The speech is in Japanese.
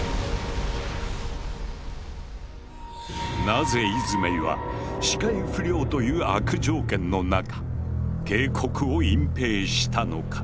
なぜイズメイは視界不良という悪条件のなか警告を隠蔽したのか？